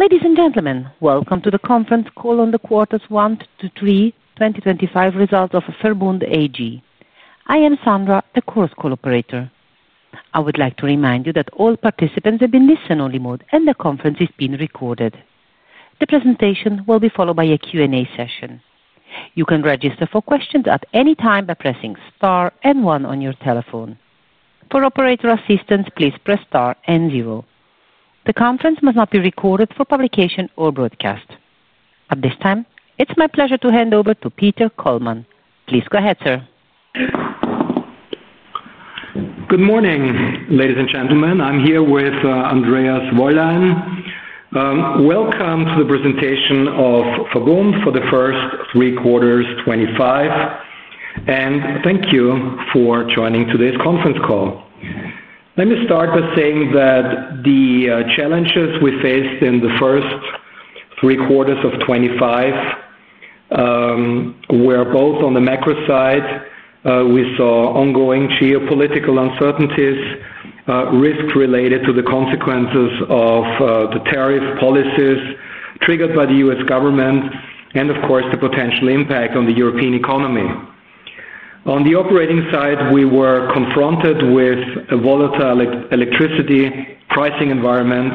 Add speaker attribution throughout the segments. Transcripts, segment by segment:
Speaker 1: Ladies and gentlemen, welcome to the conference call on the quarters 1 to 3, 2025, results of VERBUND AG. I am Sandra, the Chorus Call operator. I would like to remind you that all participants have been listened to on remote, and the conference is being recorded. The presentation will be followed by a Q&A session. You can register for questions at any time by pressing star and one on your telephone. For operator assistance, please press star and zero. The conference must not be recorded for publication or broadcast. At this time, it's my pleasure to hand over to Peter Kollmann. Please go ahead, sir.
Speaker 2: Good morning, ladies and gentlemen. I'm here with Andreas Wollein. Welcome to the presentation of VERBUND for the first three quarters, 2025. Thank you for joining today's conference call. Let me start by saying that the challenges we faced in the first three quarters of 2025 were both on the macro side. We saw ongoing geopolitical uncertainties, risks related to the consequences of the tariff policies triggered by the U.S. government, and, of course, the potential impact on the European economy. On the operating side, we were confronted with a volatile electricity pricing environment,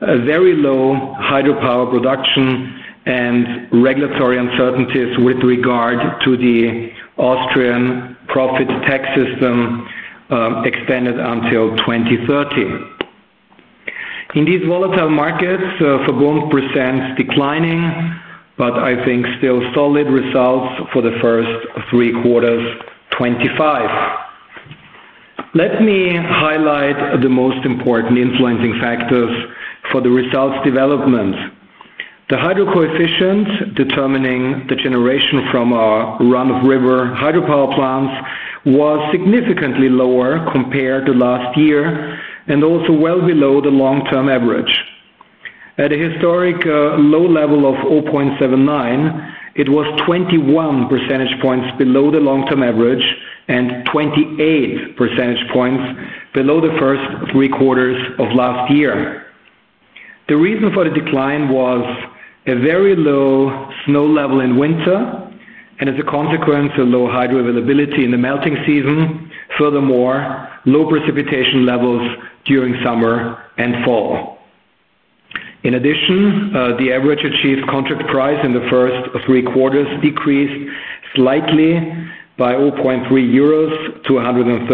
Speaker 2: very low hydropower production, and regulatory uncertainties with regard to the Austrian profit tax system, extended until 2030. In these volatile markets, VERBUND presents declining but, I think, still solid results for the first three quarters of 2025. Let me highlight the most important influencing factors for the results development. The hydro coefficient determining the generation from our run-of-river hydropower plants was significantly lower compared to last year and also well below the long-term average. At a historic low level of 0.79, it was 21 percentage points below the long-term average and 28 percentage points below the first three quarters of last year. The reason for the decline was a very low snow level in winter and, as a consequence, a low hydro availability in the melting season. Furthermore, low precipitation levels during summer and fall. In addition, the average achieved contract price in the first three quarters decreased slightly by EUR 0.3-EUR 113.5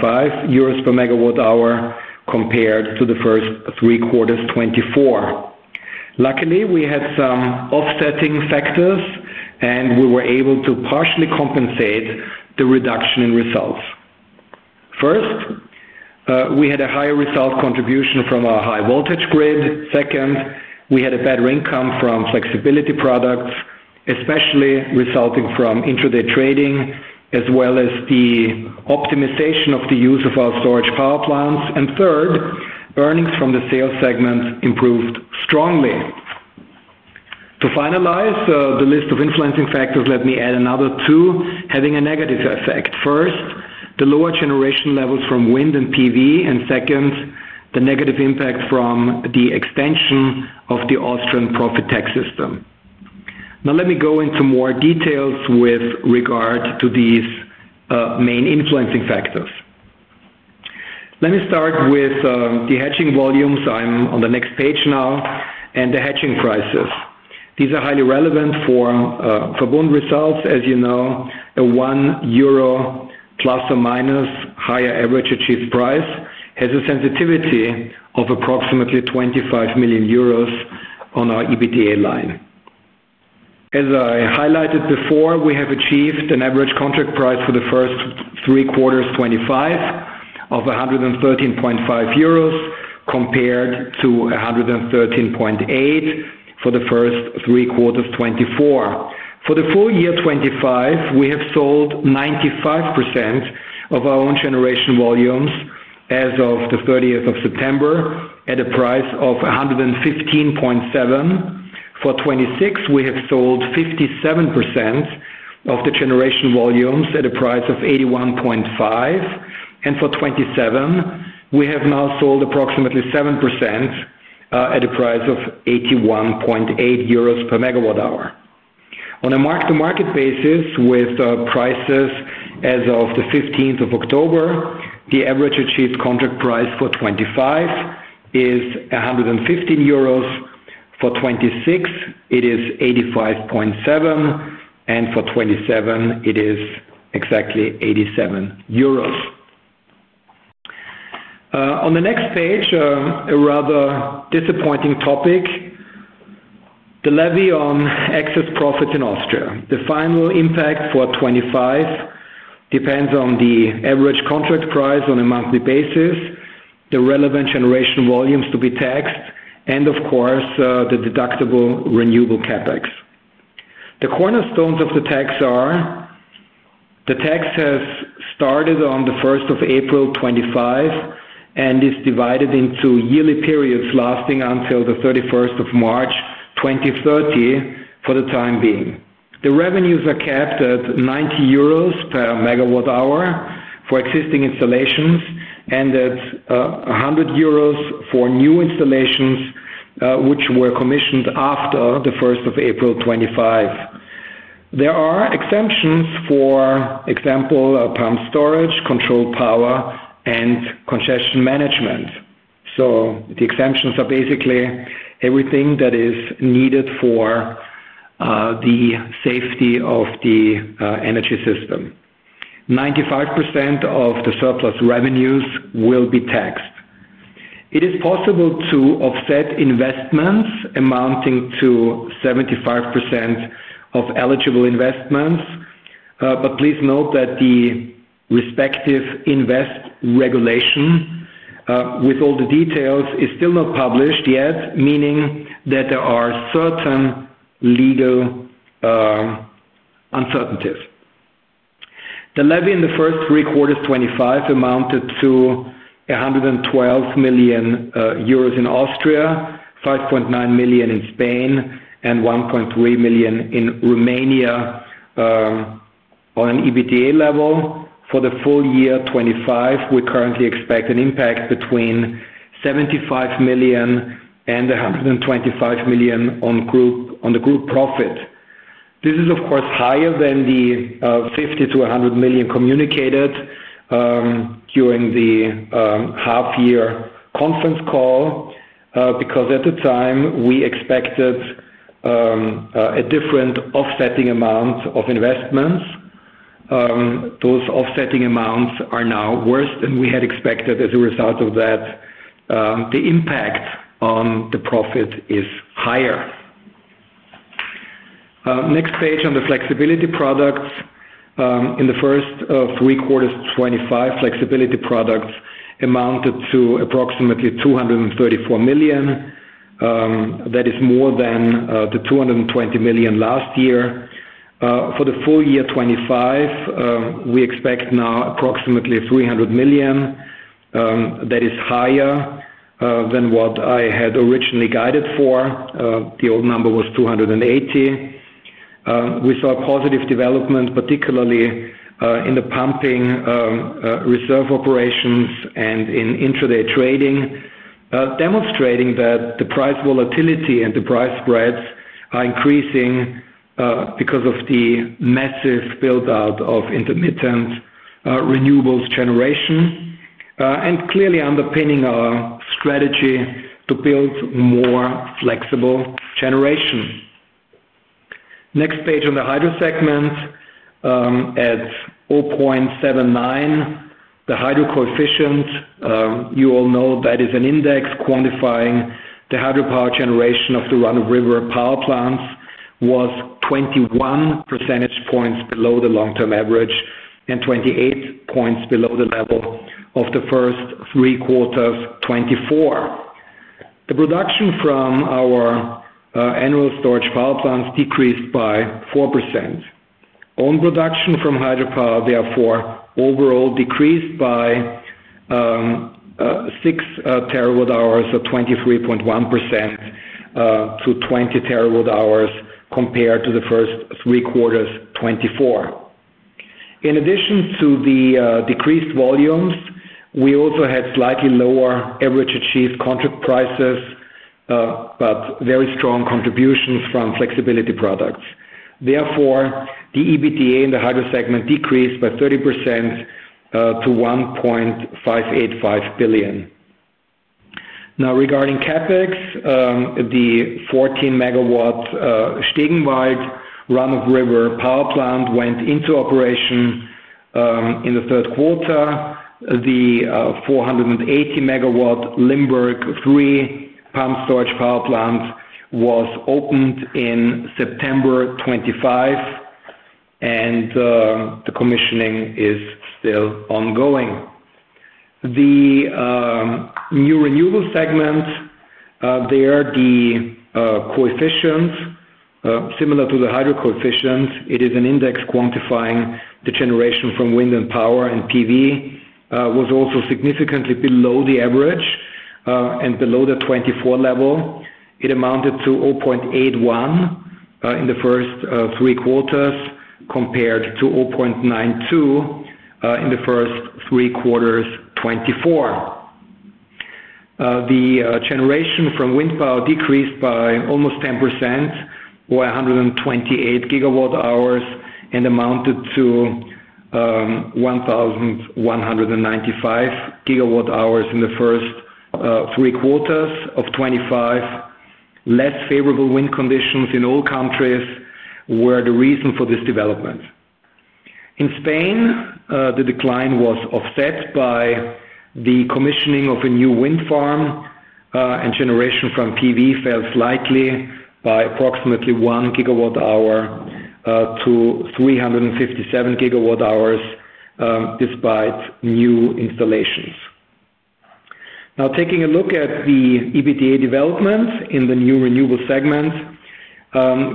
Speaker 2: per MWh compared to the first three quarters of 2024. Luckily, we had some offsetting factors, and we were able to partially compensate the reduction in results. First. We had a higher result contribution from our high-voltage grid. Second, we had a better income from flexibility products, especially resulting from intraday trading, as well as the optimization of the use of our storage power plants. Third, earnings from the sales segment improved strongly. To finalize the list of influencing factors, let me add another two, having a negative effect. First, the lower generation levels from wind and PV, and second, the negative impact from the extension of the Austrian profit tax system. Now, let me go into more details with regard to these main influencing factors. Let me start with the hedging volumes. I'm on the next page now, and the hedging prices. These are highly relevant for VERBUND results. As you know, a one EUR± higher average achieved price has a sensitivity of approximately 25 million euros on our EBITDA line. As I highlighted before, we have achieved an average contract price for the first three quarters of 2025 of 113.5 euros compared to 113.8 for the first three quarters of 2024. For the full year 2025, we have sold 95% of our own generation volumes as of the 30th of September at a price of 115.7. For 2026, we have sold 57% of the generation volumes at a price of 81.5. For 2027, we have now sold approximately 7% at a price of 81.8 euros per megawatt hour. On a mark-to-market basis, with prices as of the 15th of October, the average achieved contract price for 2025 is 115 euros. For 2026, it is 85.7. For 2027, it is exactly 87 euros. On the next page, a rather disappointing topic. The levy on excess profits in Austria. The final impact for 2025. Depends on the average contract price on a monthly basis, the relevant generation volumes to be taxed, and, of course, the deductible renewable CapEx. The cornerstones of the tax are. The tax has started on the 1st of April 2025. It is divided into yearly periods lasting until the 31st of March 2030 for the time being. The revenues are capped at 90 euros per MWh for existing installations and at 100 euros for new installations, which were commissioned after the 1st of April 2025. There are exemptions for, example, pump storage, controlled power, and congestion management. The exemptions are basically everything that is needed for the safety of the energy system. 95% of the surplus revenues will be taxed. It is possible to offset investments amounting to 75% of eligible investments. Please note that the respective invest regulation. With all the details, is still not published yet, meaning that there are certain legal uncertainties. The levy in the first three quarters of 2025 amounted to 112 million euros in Austria, 5.9 million in Spain, and 1.3 million in Romania. On an EBITDA level. For the full year 2025, we currently expect an impact between 75 million and 125 million on the group profit. This is, of course, higher than the 50 million-100 million communicated during the half-year conference call. Because at the time, we expected a different offsetting amount of investments. Those offsetting amounts are now worse than we had expected. As a result of that, the impact on the profit is higher. Next page on the flexibility products. In the first three quarters of 2025, flexibility products amounted to approximately 234 million. That is more than the 220 million last year. For the full year 2025. We expect now approximately 300 million. That is higher than what I had originally guided for. The old number was 280 million. We saw a positive development, particularly in the pumping, reserve operations, and in intraday trading. This is demonstrating that the price volatility and the price spreads are increasing because of the massive build-out of intermittent renewables generation, clearly underpinning our strategy to build more flexible generation. Next page on the hydro segment. At 0.79, the hydro coefficient, you all know that is an index quantifying the hydropower generation of the run-of-river power plants, was 21 percentage points below the long-term average and 28 percentage points below the level of the first three quarters of 2024. The production from our annual storage power plants decreased by 4%. Own production from hydropower, therefore, overall decreased by 6 TWh or 23.1% to 20 TWh compared to the first three quarters of 2024. In addition to the decreased volumes, we also had slightly lower average achieved contract prices. However, very strong contributions from flexibility products. Therefore, the EBITDA in the hydro segment decreased by 30% to 1.585 billion. Now, regarding CapEx, the 14 MW Stegenwald run-of-river hydropower plant went into operation in the third quarter. The 480 MW Limberg 3 pumped storage power plant was opened in September 2025, and the commissioning is still ongoing. The new renewable segment, there, the coefficient, similar to the hydro coefficient—it is an index quantifying the generation from wind power and PV—was also significantly below the average and below the 2024 level. It amounted to 0.81 in the first three quarters compared to 0.92 in the first three quarters of 2024. The generation from wind power decreased by almost 10% or 128 GWh and amounted to 1,195 GWh in the first. Three quarters of 2025. Less favorable wind conditions in all countries were the reason for this development. In Spain, the decline was offset by the commissioning of a new wind farm. Generation from PV fell slightly by approximately 1 GWh-357 GWh, despite new installations. Now, taking a look at the EBITDA development in the new renewable segment,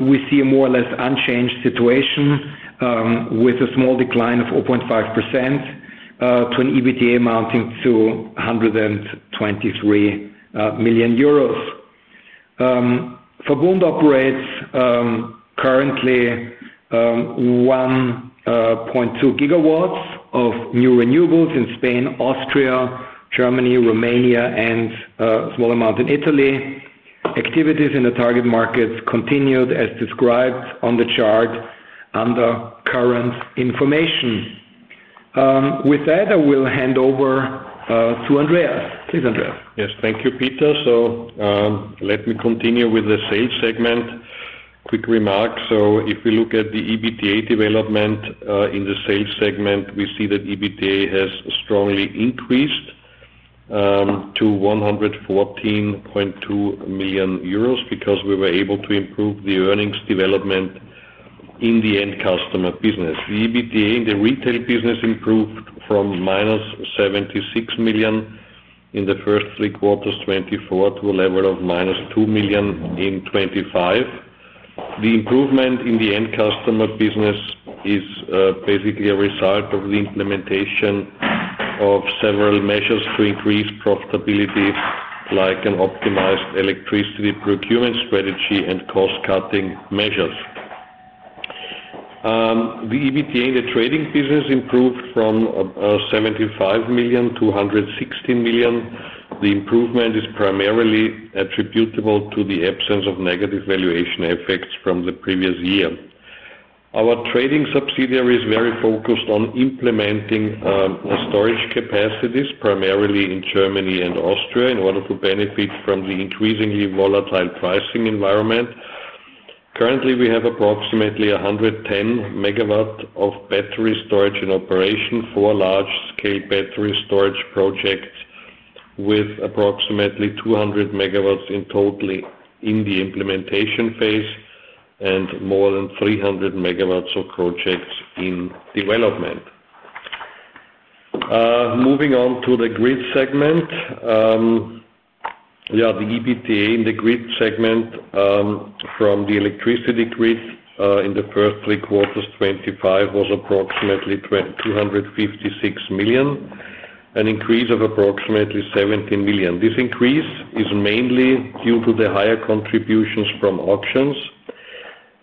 Speaker 2: we see a more or less unchanged situation with a small decline of 0.5% to an EBITDA amounting to 123 million euros. VERBUND operates currently 1.2 GW of new renewables in Spain, Austria, Germany, Romania, and a small amount in Italy. Activities in the target markets continued, as described on the chart under current information. With that, I will hand over to Andreas. Please, Andreas.
Speaker 3: Yes. Thank you, Peter. Let me continue with the sales segment. Quick remark. If we look at the EBITDA development in the sales segment, we see that EBITDA has strongly increased to 114.2 million euros because we were able to improve the earnings development in the end customer business. The EBITDA in the retail business improved from minus 76 million in the first three quarters of 2024 to a level of minus 2 million in 2025. The improvement in the end customer business is basically a result of the implementation of several measures to increase profitability, like an optimized electricity procurement strategy and cost-cutting measures. The EBITDA in the trading business improved from 75 million to 116 million. The improvement is primarily attributable to the absence of negative valuation effects from the previous year. Our trading subsidiary is very focused on implementing storage capacities, primarily in Germany and Austria, in order to benefit from the increasingly volatile pricing environment. Currently, we have approximately 110 MW of battery storage in operation, four large-scale battery storage projects, with approximately 200 MW in total in the implementation phase, and more than 300 MW of projects in development. Moving on to the grid segment. Yeah, the EBITDA in the grid segment. From the electricity grid in the first three quarters of 2025 was approximately 256 million, an increase of approximately 17 million. This increase is mainly due to the higher contributions from auctions.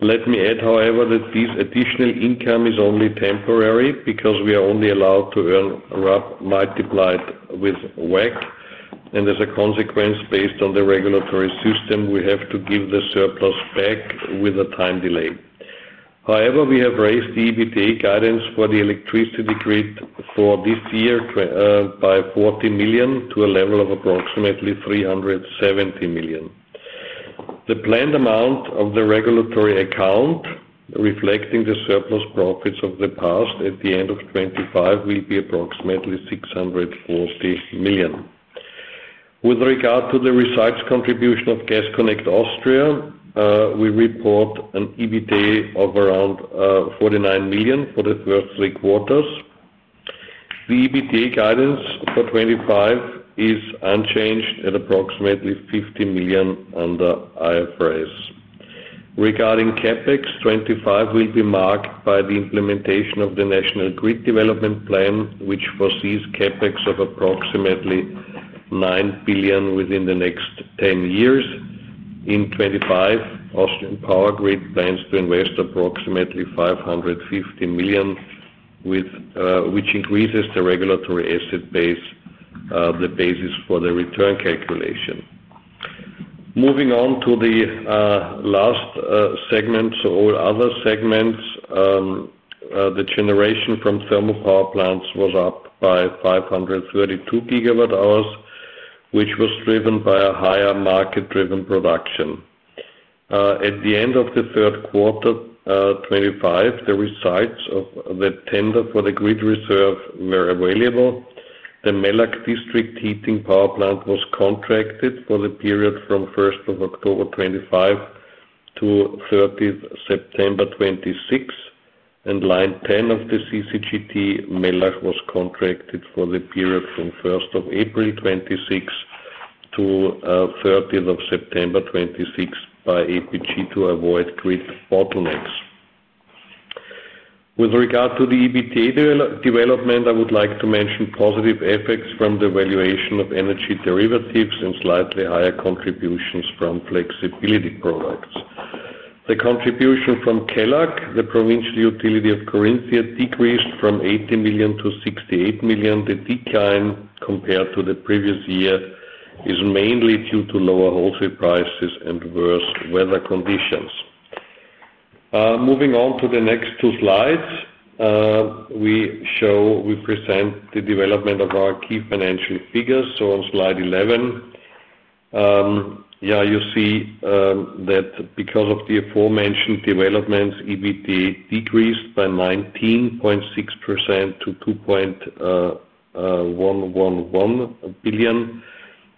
Speaker 3: Let me add, however, that this additional income is only temporary because we are only allowed to earn RUP multiplied with WEC. As a consequence, based on the regulatory system, we have to give the surplus back with a time delay. However, we have raised the EBITDA guidance for the electricity grid for this year by 40 million to a level of approximately 370 million. The planned amount of the regulatory account, reflecting the surplus profits of the past at the end of 2025, will be approximately 640 million. With regard to the results contribution of Gas Connect Austria, we report an EBITDA of around 49 million for the first three quarters. The EBITDA guidance for 2025 is unchanged at approximately 50 million under IFRS. Regarding CapEx, 2025 will be marked by the implementation of the National Grid Development Plan, which foresees CapEx of approximately 9 billion within the next 10 years. In 2025, Austrian Power Grid plans to invest approximately 550 million, which increases the regulatory asset base, the basis for the return calculation. Moving on to the last segment, so all other segments. The generation from thermal power plants was up by 532 GWh, which was driven by a higher market-driven production. At the end of the third quarter of 2025, the results of the tender for the grid reserve were available. The Melk District Heating Power Plant was contracted for the period from 1st of October 2025-30th September 2026. Line 10 of the CCGT Mellach was contracted for the period from 1st of April 2026 to 30th of September 2026 by Austrian Power Grid to avoid grid bottlenecks. With regard to the EBITDA development, I would like to mention positive effects from the valuation of energy derivatives and slightly higher contributions from flexibility products. The contribution from KELAG, the provincial utility of Carinthia, decreased from 80 million to 68 million. The decline compared to the previous year is mainly due to lower wholesale prices and worse weather conditions. Moving on to the next two slides. We present the development of our key financial figures. On slide 11. Yeah, you see that because of the aforementioned developments, EBITDA decreased by 19.6% to 2.111 billion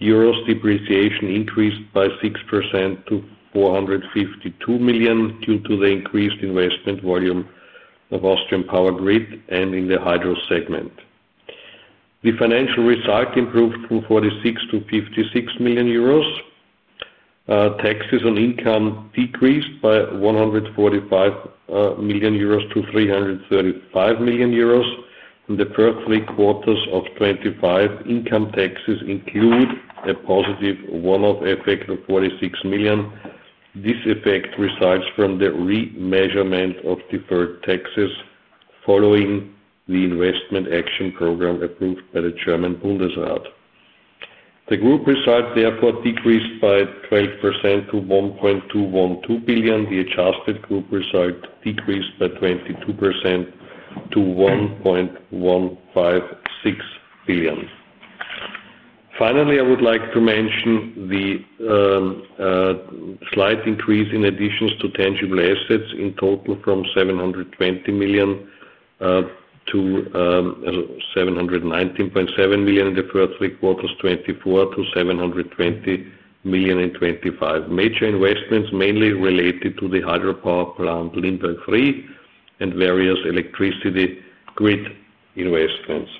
Speaker 3: euros. Depreciation increased by 6% to 452 million due to the increased investment volume of Austrian Power Grid and in the hydro segment. The financial result improved from 46 million to 56 million euros. Taxes on income decreased by 145 million euros to 335 million euros in the first three quarters of 2025. Income taxes include a positive one-off effect of 46 million. This effect results from the remeasurement of deferred taxes following the investment action program approved by the German Bundesrat. The group result, therefore, decreased by 12% to 1.212 billion. The adjusted group result decreased by 22% to 1.156 billion. Finally, I would like to mention the slight increase in additions to tangible assets in total from 720 million to 719.7 million in the first three quarters of 2024 to 720 million in 2025. Major investments mainly related to the hydropower plant Limberg 3 and various electricity grid investments.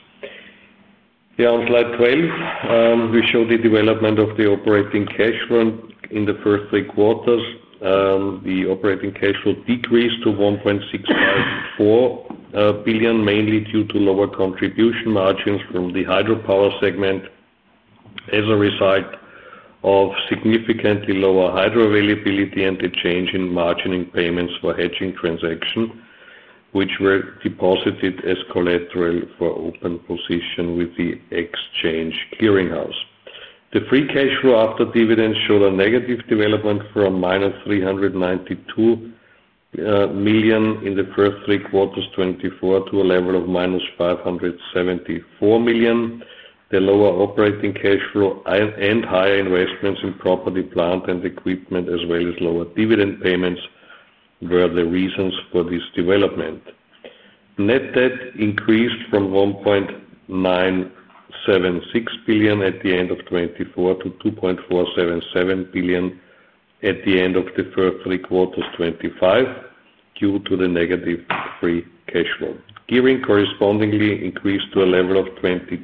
Speaker 3: Yeah, on slide 12, we show the development of the operating cash flow in the first three quarters. The operating cash flow decreased to 1.654 billion, mainly due to lower contribution margins from the hydropower segment. As a result of significantly lower hydro availability and the change in margin in payments for hedging transactions, which were deposited as collateral for open position with the exchange clearinghouse. The free cash flow after dividends showed a negative development from -392 million in the first three quarters of 2024 to a level of -574 million. The lower operating cash flow and higher investments in property, plant, and equipment, as well as lower dividend payments, were the reasons for this development. Net debt increased from 1.976 billion at the end of 2024 to 2.477 billion at the end of the first three quarters of 2025 due to the negative free cash flow. Gearing correspondingly increased to a level of 22.4%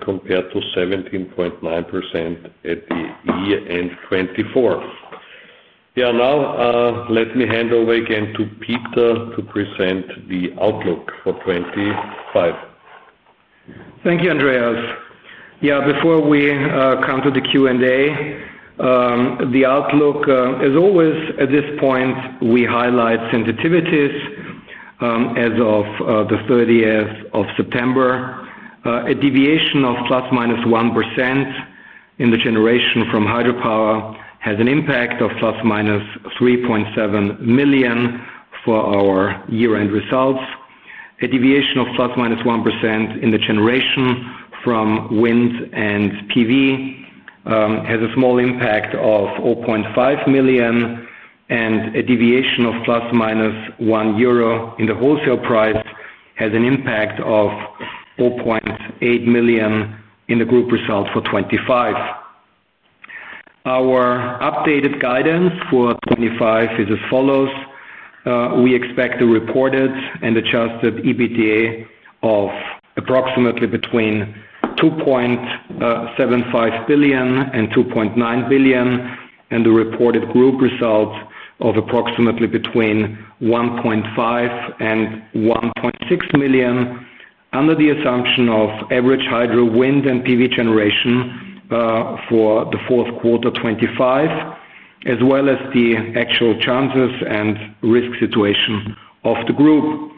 Speaker 3: compared to 17.9% at the year end of 2024. Yeah, now let me hand over again to Peter to present the outlook for 2025.
Speaker 2: Thank you, Andreas. Yeah, before we come to the Q&A. The outlook, as always, at this point, we highlight sensitivities. As of the 30th of September, a deviation of ±1% in the generation from hydropower has an impact of ±3.7 million for our year-end results. A deviation of ±1% in the generation from wind and PV has a small impact of 0.5 million, and a deviation of +1 euro in the wholesale price has an impact of 0.8 million in the group result for 2025. Our updated guidance for 2025 is as follows. We expect the reported and adjusted EBITDA of approximately between 2.75 billion and 2.9 billion, and the reported group result of approximately between 1.5 billion and 1.6 billion, under the assumption of average hydro, wind, and PV generation for the fourth quarter of 2025, as well as the actual chances and risk situation of the group.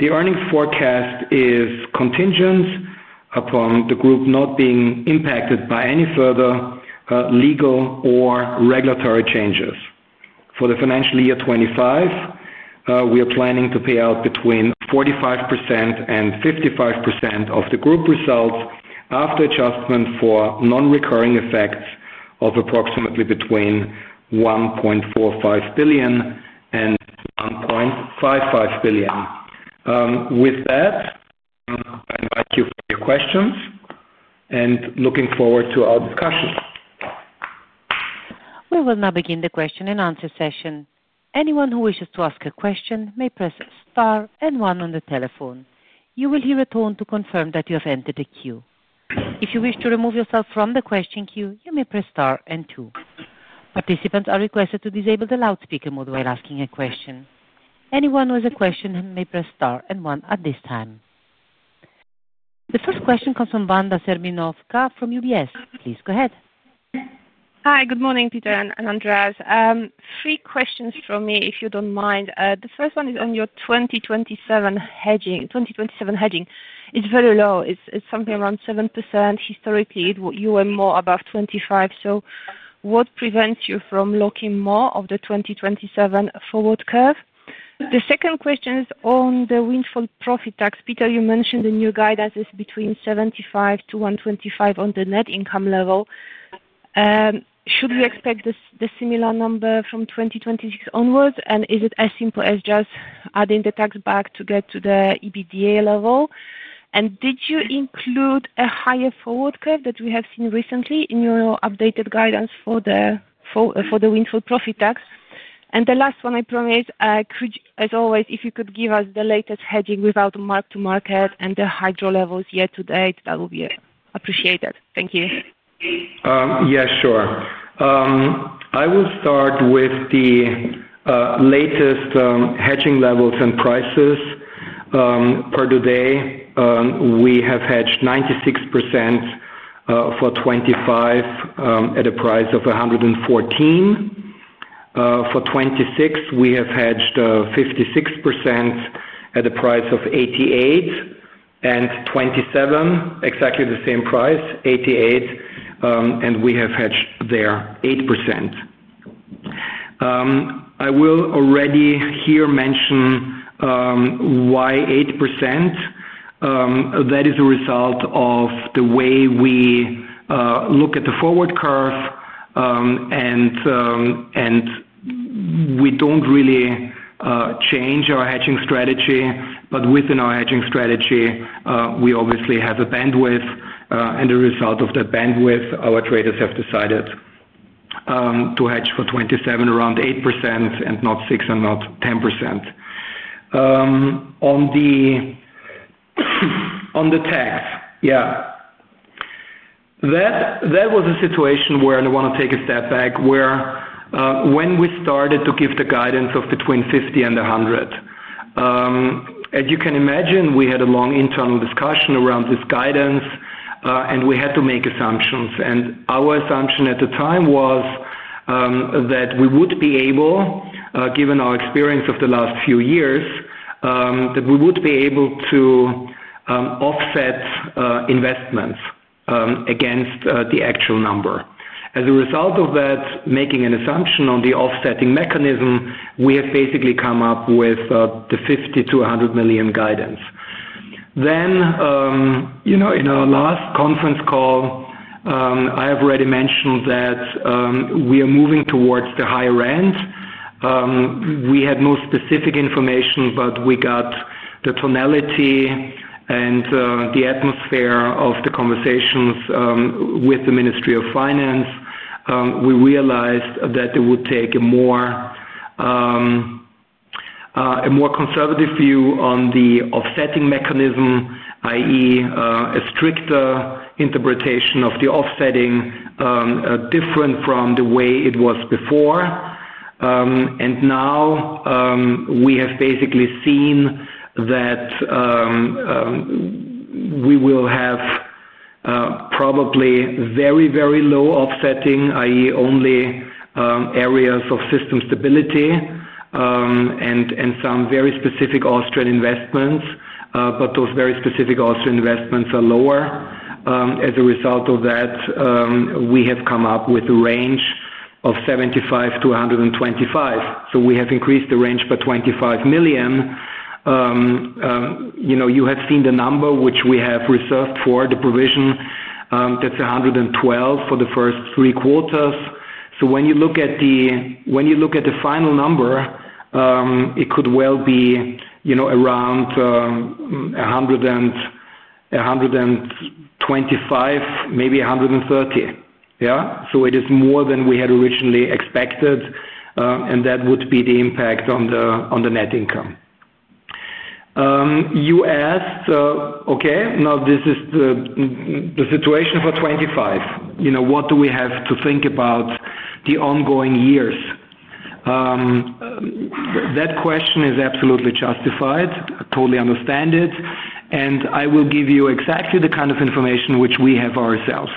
Speaker 2: The earnings forecast is contingent upon the group not being impacted by any further legal or regulatory changes. For the financial year 2025, we are planning to pay out between 45% and 55% of the group results after adjustment for non-recurring effects of approximately between 1.45 billion and 1.55 billion. With that, I invite you for your questions. I am looking forward to our discussion.
Speaker 1: We will now begin the question-and-answer session. Anyone who wishes to ask a question may press star and one on the telephone. You will hear a tone to confirm that you have entered the queue. If you wish to remove yourself from the question queue, you may press star and two. Participants are requested to disable the loudspeaker mode while asking a question. Anyone with a question may press star and one at this time. The first question comes from Wanda Serwinowska from UBS. Please go ahead.
Speaker 4: Hi, good morning, Peter and Andreas. Three questions from me, if you do not mind. The first one is on your 2027 hedging. 2027 hedging is very low. It is something around 7%. Historically, you were more above 25%. What prevents you from locking more of the 2027 forward curve? The second question is on the windfall profit tax. Peter, you mentioned the new guidance is between 75-125 on the net income level. Should we expect the similar number from 2026 onwards? Is it as simple as just adding the tax back to get to the EBITDA level? Did you include a higher forward curve that we have seen recently in your updated guidance for the windfall profit tax? The last one, I promise, as always, if you could give us the latest hedging without mark-to-market and the hydro levels year to date, that would be appreciated. Thank you.
Speaker 2: Yeah, sure. I will start with the latest hedging levels and prices. For today, we have hedged 96% for 2025 at a price of 114. For 2026, we have hedged 56% at a price of 88. For 2027, exactly the same price, 88, and we have hedged there 8%.I will already here mention. Why 8%? That is a result of the way we look at the forward curve. We do not really change our hedging strategy, but within our hedging strategy, we obviously have a bandwidth. The result of that bandwidth, our traders have decided to hedge for 2027 around 8% and not 6% and not 10%. On the tax, yeah. That was a situation where I want to take a step back. When we started to give the guidance of between 50 million and 100 million, as you can imagine, we had a long internal discussion around this guidance, and we had to make assumptions. Our assumption at the time was that we would be able, given our experience of the last few years, that we would be able to offset investments against the actual number. As a result of that, making an assumption on the offsetting mechanism, we have basically come up with the 50 million-100 million guidance. In our last conference call, I have already mentioned that we are moving towards the higher end. We had no specific information, but we got the tonality and the atmosphere of the conversations with the Ministry of Finance. We realized that it would take a more conservative view on the offsetting mechanism, i.e., a stricter interpretation of the offsetting, different from the way it was before. Now, we have basically seen that we will have probably very, very low offsetting, i.e., only areas of system stability and some very specific Austrian investments. Those very specific Austrian investments are lower. As a result of that, we have come up with a range of 75 million-125 million. We have increased the range by 25 million. You have seen the number which we have reserved for the provision. That is 112 million for the first three quarters. When you look at the final number, it could well be around 125 million, maybe 130 million. Yeah? It is more than we had originally expected. That would be the impact on the net income. You asked, "Okay, now this is the situation for 2025. What do we have to think about the ongoing years?" That question is absolutely justified. I totally understand it. I will give you exactly the kind of information which we have ourselves.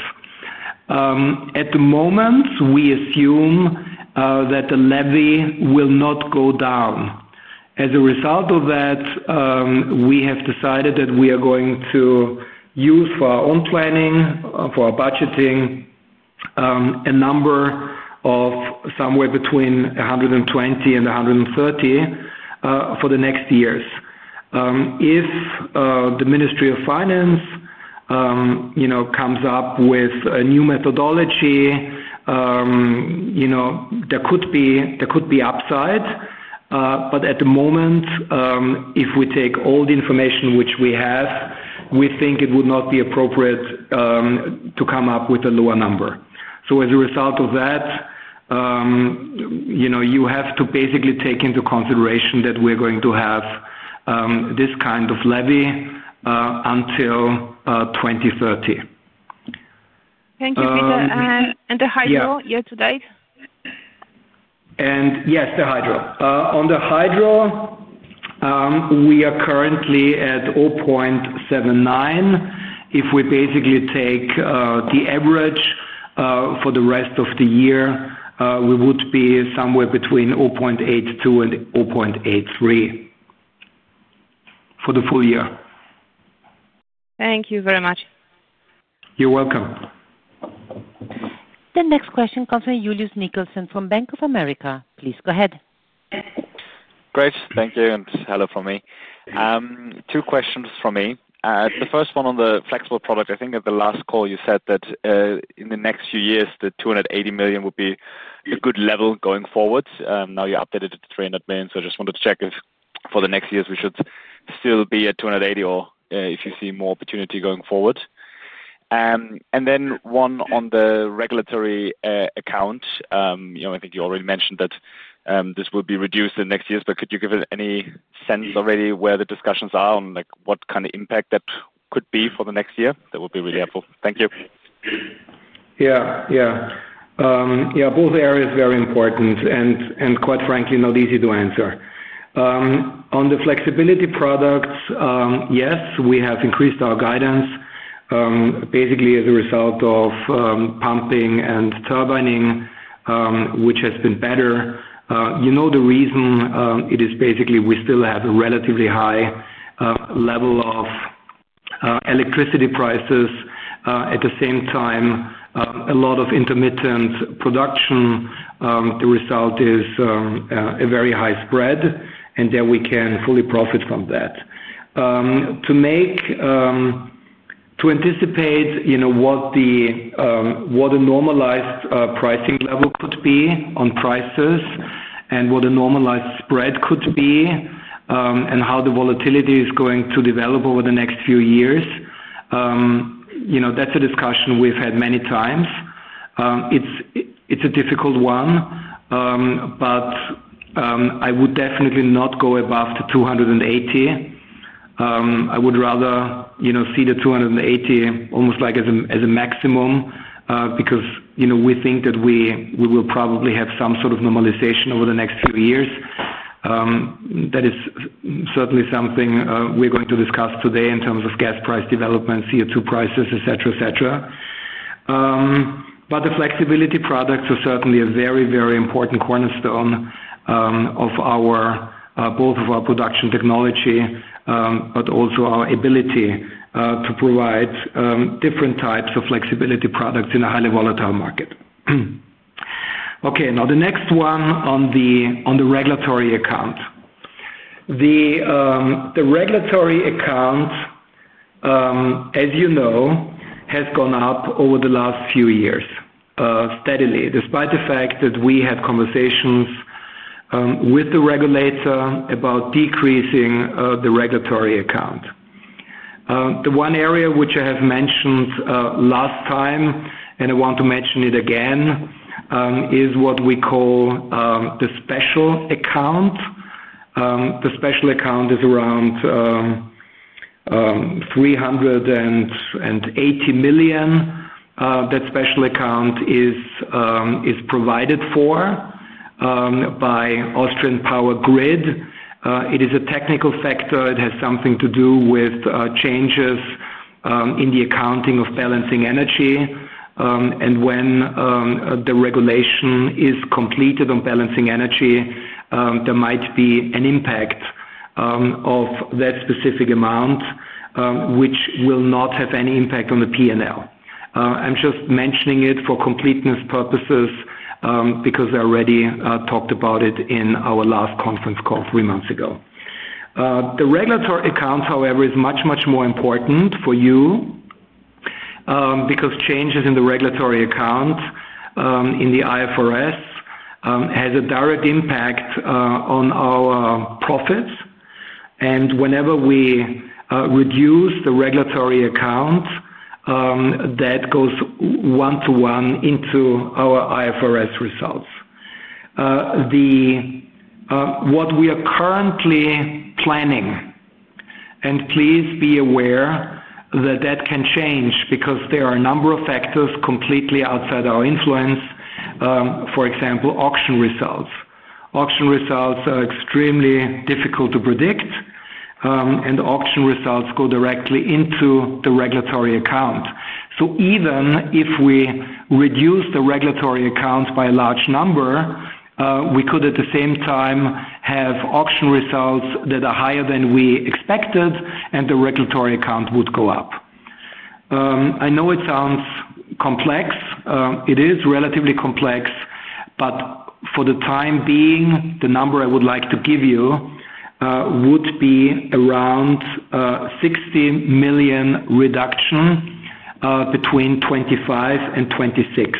Speaker 2: At the moment, we assume that the levy will not go down. As a result of that, we have decided that we are going to use for our own planning, for our budgeting. A number of somewhere between 120 million and 130 million. For the next years. If the Ministry of Finance comes up with a new methodology, there could be upside. At the moment, if we take all the information which we have, we think it would not be appropriate to come up with a lower number. As a result of that, you have to basically take into consideration that we're going to have this kind of levy until 2030.
Speaker 4: Thank you, Peter. And the hydro, year to date?
Speaker 2: Yes, the hydro. On the hydro, we are currently at 0.79. If we basically take the average for the rest of the year, we would be somewhere between 0.82 and 0.83 for the full year.
Speaker 4: Thank you very much.
Speaker 2: You're welcome.
Speaker 1: The next question comes from Julius Nicholson from Bank of America. Please go ahead.
Speaker 5: Great. Thank you. And hello from me. Two questions from me. The first one on the flexibility product. I think at the last call, you said that in the next few years, the 280 million would be a good level going forward. Now you updated it to 300 million. I just wanted to check if for the next years, we should still be at 280 million or if you see more opportunity going forward. One on the regulatory account. I think you already mentioned that this will be reduced in the next years. Could you give us any sense already where the discussions are on what kind of impact that could be for the next year? That would be really helpful. Thank you.
Speaker 2: Yeah, yeah. Both areas are very important and, quite frankly, not easy to answer. On the flexibility products, yes, we have increased our guidance. Basically, as a result of. Pumping and turbining. Which has been better. The reason is basically we still have a relatively high level of electricity prices. At the same time, a lot of intermittent production. The result is a very high spread, and there we can fully profit from that. To anticipate what a normalized pricing level could be on prices and what a normalized spread could be, and how the volatility is going to develop over the next few years. That is a discussion we've had many times. It's a difficult one. I would definitely not go above the 280. I would rather see the 280 almost as a maximum because we think that we will probably have some sort of normalization over the next few years. That is certainly something we're going to discuss today in terms of gas price development, CO2 prices, etc., etc. The flexibility products are certainly a very, very important cornerstone of both our production technology, but also our ability to provide different types of flexibility products in a highly volatile market. Okay. Now, the next one on the regulatory account. The regulatory account, as you know, has gone up over the last few years steadily, despite the fact that we had conversations with the regulator about decreasing the regulatory account. The one area which I have mentioned last time, and I want to mention it again, is what we call the special account. The special account is around 380 million. That special account is provided for by Austrian Power Grid. It is a technical factor. It has something to do with changes in the accounting of balancing energy. When the regulation is completed on balancing energy, there might be an impact of that specific amount. Which will not have any impact on the P&L. I'm just mentioning it for completeness purposes because I already talked about it in our last conference call three months ago. The regulatory account, however, is much, much more important for you. Because changes in the regulatory account in the IFRS have a direct impact on our profits. Whenever we reduce the regulatory account, that goes one-to-one into our IFRS results. What we are currently planning, and please be aware that that can change because there are a number of factors completely outside our influence. For example, auction results. Auction results are extremely difficult to predict. Auction results go directly into the regulatory account. Even if we reduce the regulatory account by a large number, we could, at the same time, have auction results that are higher than we expected, and the regulatory account would go up. I know it sounds complex. It is relatively complex. For the time being, the number I would like to give you would be around 60 million reduction between 2025 and 2026.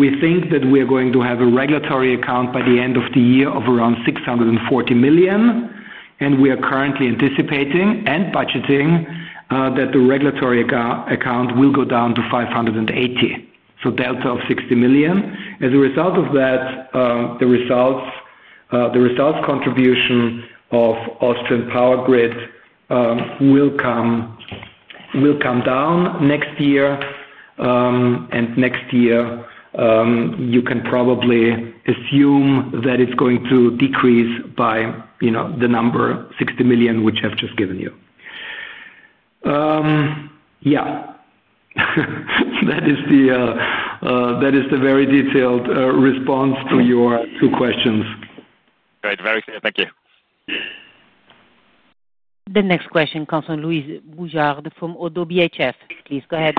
Speaker 2: We think that we are going to have a regulatory account by the end of the year of around 640 million. We are currently anticipating and budgeting that the regulatory account will go down to 580 million, so a delta of 60 million. As a result of that, the results contribution of Austrian Power Grid will come down next year. Next year, you can probably assume that it is going to decrease by the number 60 million which I have just given you. That is the very detailed response to your two questions.
Speaker 5: Great. Very clear. Thank you.
Speaker 1: The next question comes from Louis Boujard from ODDO BHF. Please go ahead.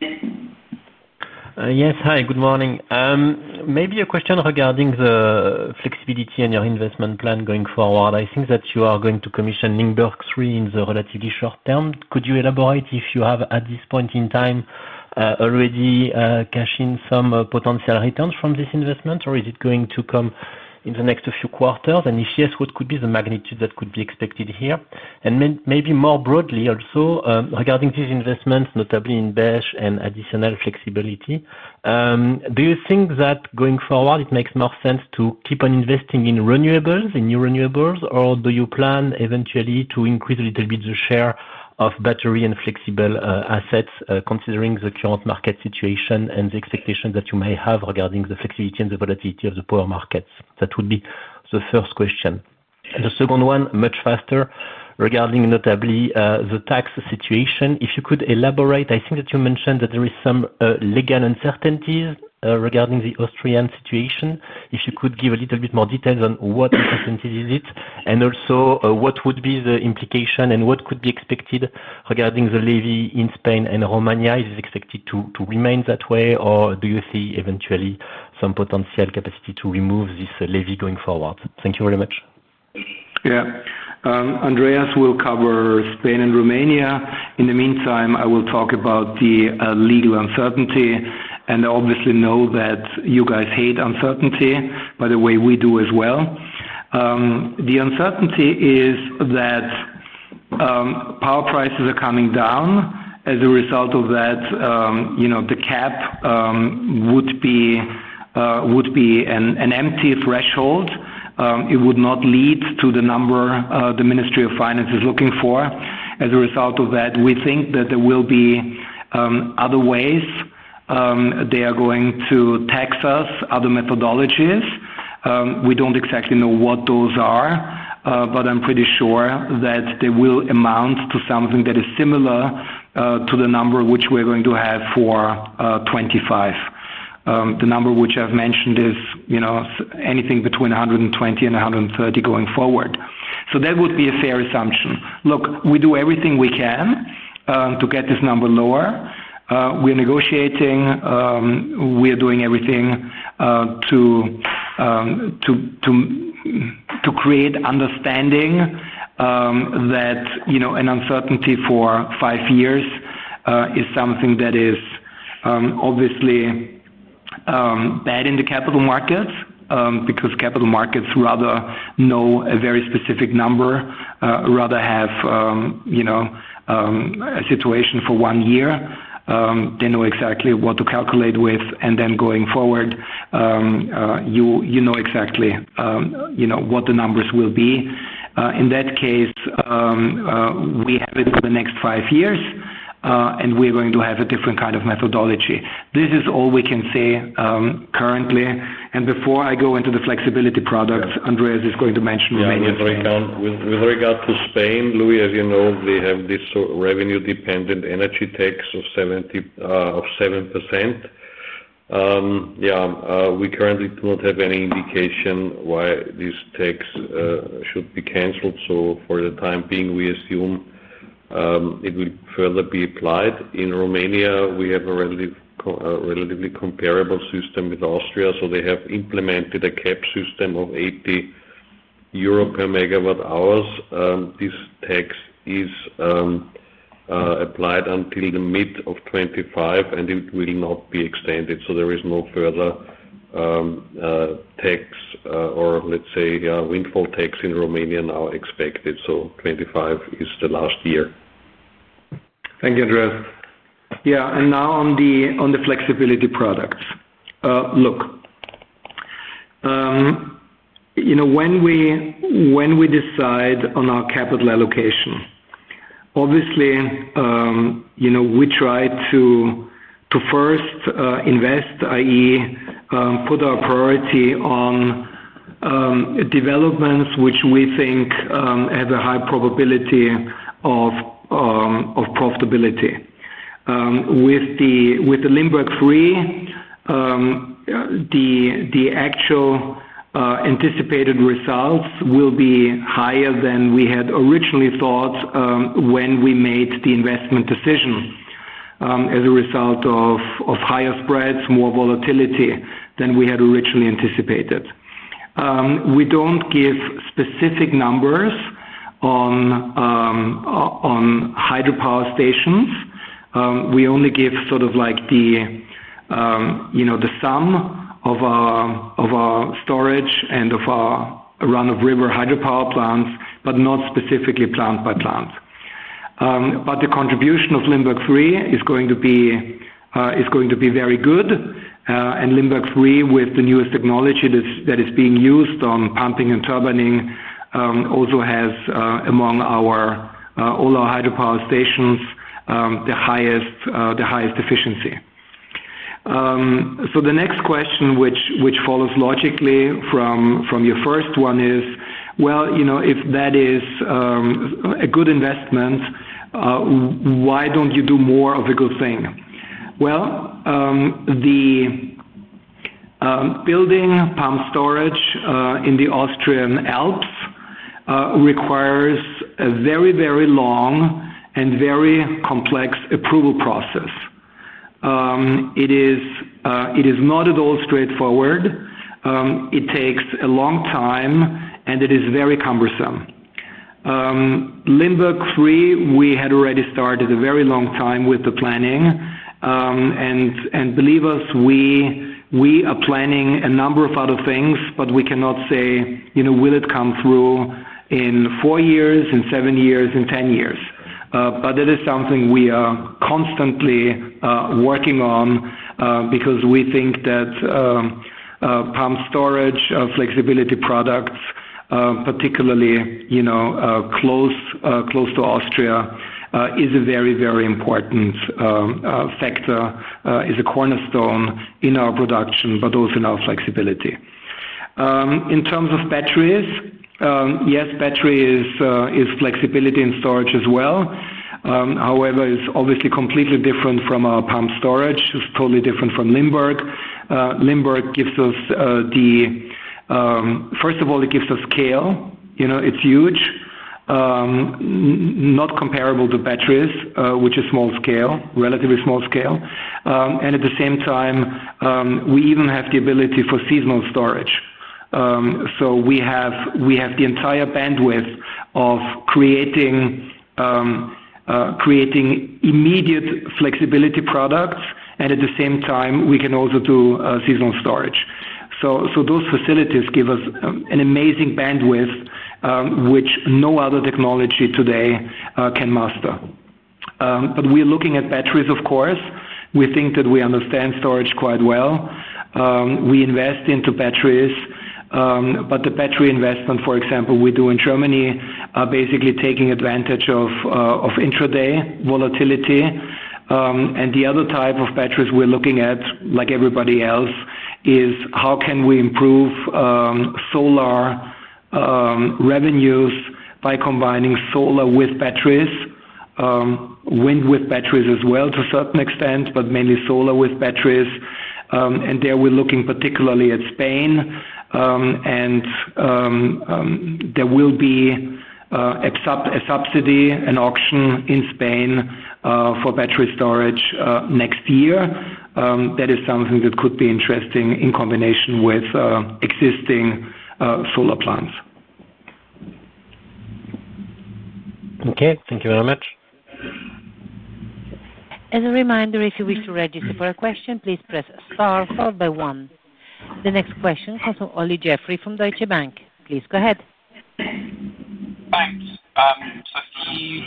Speaker 6: Yes. Hi. Good morning. Maybe a question regarding the flexibility and your investment plan going forward. I think that you are going to commission Limberg 3 in the relatively short term. Could you elaborate if you have, at this point in time, already cashed in some potential returns from this investment, or is it going to come in the next few quarters? If yes, what could be the magnitude that could be expected here? Maybe more broadly also, regarding these investments, notably in battery storage and additional flexibility. Do you think that going forward, it makes more sense to keep on investing in renewables, in new renewables, or do you plan eventually to increase a little bit the share of battery and flexible assets considering the current market situation and the expectations that you may have regarding the flexibility and the volatility of the power markets? That would be the first question.
Speaker 2: The second one, much faster, regarding notably the tax situation. If you could elaborate, I think that you mentioned that there are some legal uncertainties regarding the Austrian situation. If you could give a little bit more details on what uncertainties it is, and also what would be the implication and what could be expected regarding the levy in Spain and Romania? Is it expected to remain that way, or do you see eventually some potential capacity to remove this levy going forward? Thank you very much. Yeah. Andreas will cover Spain and Romania. In the meantime, I will talk about the legal uncertainty. I obviously know that you guys hate uncertainty. By the way, we do as well. The uncertainty is that power prices are coming down. As a result of that, the cap would be an empty threshold. It would not lead to the number the Ministry of Finance is looking for. As a result of that, we think that there will be other ways. They are going to tax us, other methodologies. We do not exactly know what those are, but I am pretty sure that they will amount to something that is similar to the number which we are going to have for 2025. The number which I have mentioned is anything between 120-130 going forward. That would be a fair assumption. Look, we do everything we can to get this number lower. We are negotiating. We are doing everything to create understanding that an uncertainty for five years is something that is obviously bad in the capital markets because capital markets rather know a very specific number, rather have a situation for one year. They know exactly what to calculate with, and then going forward, you know exactly. What the numbers will be. In that case, we have it for the next five years, and we're going to have a different kind of methodology. This is all we can say currently. Before I go into the flexibility products, Andreas is going to mention
Speaker 3: With regard to Spain, Louis, as you know, they have this revenue-dependent energy tax of 7%. Yeah. We currently do not have any indication why this tax should be canceled. For the time being, we assume it will further be applied. In Romania, we have a relatively comparable system with Austria. They have implemented a cap system of 80 euro per MWh. This tax is applied until the middle of 2025, and it will not be extended. There is no further tax or, let's say, windfall tax in Romania now expected. 2025 is the last year.
Speaker 2: Thank you, Andreas. Yeah. Now on the flexibility products. Look. When we decide on our capital allocation, obviously, we try to first invest, i.e., put our priority on developments which we think have a high probability of profitability. With the Limberg 3, the actual anticipated results will be higher than we had originally thought when we made the investment decision. As a result of higher spreads, more volatility than we had originally anticipated. We do not give specific numbers on hydropower stations. We only give sort of like the sum of our storage and of our run-of-river hydropower plants, but not specifically plant by plant. The contribution of Limberg 3 is going to be very good. Limberg 3, with the newest technology that is being used on pumping and turbining, also has, among all our hydropower stations, the highest efficiency. The next question which follows logically from your first one is, if that is a good investment, why do not you do more of a good thing? The building of pump storage in the Austrian Alps requires a very, very long and very complex approval process. It is not at all straightforward. It takes a long time, and it is very cumbersome. Limberg 3, we had already started a very long time with the planning. Believe us, we are planning a number of other things, but we cannot say, will it come through in four years, in seven years, in ten years. That is something we are constantly working on because we think that pump storage flexibility products, particularly close to Austria, is a very, very important factor, is a cornerstone in our production, but also in our flexibility. In terms of batteries, yes, battery is flexibility in storage as well. However, it is obviously completely different from our pumped storage. It is totally different from Limberg. Limberg gives us the—first of all, it gives us scale. It is huge. Not comparable to batteries, which is relatively small scale. At the same time, we even have the ability for seasonal storage. We have the entire bandwidth of creating immediate flexibility products, and at the same time, we can also do seasonal storage. Those facilities give us an amazing bandwidth, which no other technology today can master. We are looking at batteries, of course. We think that we understand storage quite well. We invest into batteries. The battery investment, for example, we do in Germany, are basically taking advantage of intraday volatility. The other type of batteries we're looking at, like everybody else, is how can we improve solar revenues by combining solar with batteries. Wind with batteries as well to a certain extent, but mainly solar with batteries. There we're looking particularly at Spain. There will be a subsidy, an auction in Spain for battery storage next year. That is something that could be interesting in combination with existing solar plants.
Speaker 6: Okay. Thank you very much.
Speaker 1: As a reminder, if you wish to register for a question, please press star followed by one. The next question comes from Olly Jeffery from Deutsche Bank. Please go ahead.
Speaker 7: Thanks.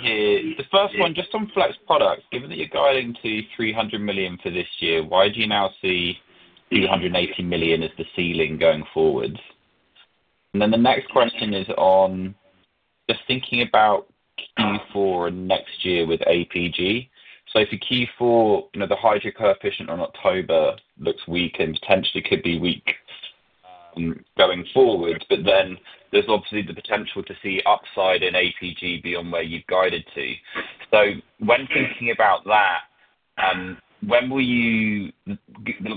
Speaker 7: The first one, just on flex products, given that you're going to 300 million for this year, why do you now see 280 million as the ceiling going forward? The next question is on just thinking about. Q4 and next year with APG. For Q4, the hydro coefficient on October looks weak and potentially could be weak going forward. There is obviously the potential to see upside in APG beyond where you've guided to. When thinking about that, the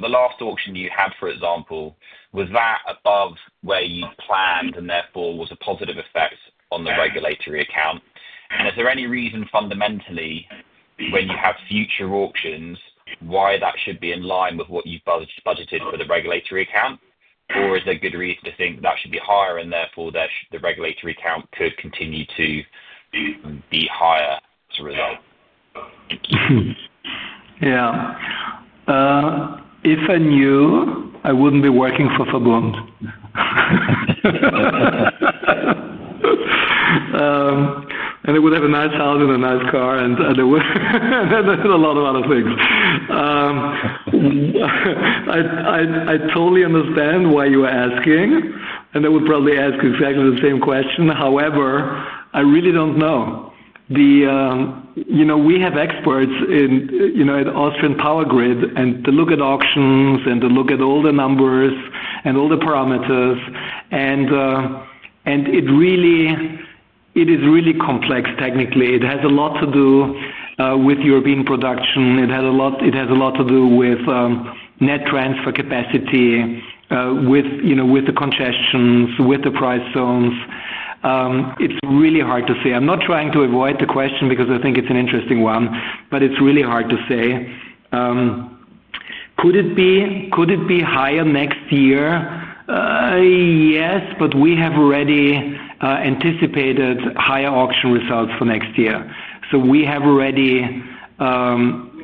Speaker 7: last auction you had, for example, was that above where you planned and therefore was a positive effect on the regulatory account? Is there any reason fundamentally, when you have future auctions, why that should be in line with what you've budgeted for the regulatory account? Or is there a good reason to think that should be higher and therefore the regulatory account could continue to be higher as a result?
Speaker 2: Yeah. If I knew, I wouldn't be working for Foggland. I would have a nice house and a nice car, and a lot of other things.I totally understand why you are asking, and I would probably ask exactly the same question. However, I really do not know. We have experts in Austrian Power Grid, and they look at auctions and they look at all the numbers and all the parameters. It is really complex technically. It has a lot to do with European production. It has a lot to do with net transfer capacity, with the congestions, with the price zones. It is really hard to say. I am not trying to avoid the question because I think it is an interesting one, but it is really hard to say. Could it be higher next year? Yes, but we have already anticipated higher auction results for next year. We have already taken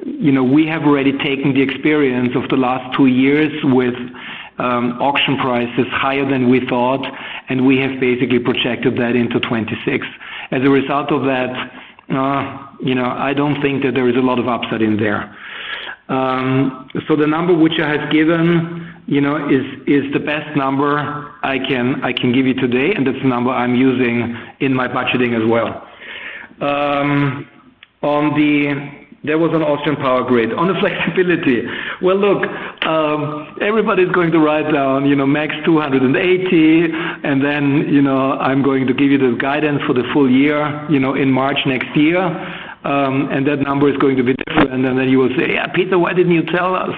Speaker 2: the experience of the last two years with auction prices higher than we thought, and we have basically projected that into 2026. As a result of that, I do not think that there is a lot of upside in there. So the number which I have given is the best number I can give you today, and that is the number I am using in my budgeting as well. There was an Austrian Power Grid on the flexibility. Look, everybody is going to write down max 280, and then I am going to give you the guidance for the full year in March next year. That number is going to be different, and then you will say, "Yeah, Peter, why did you not tell us?"